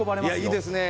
いいですね。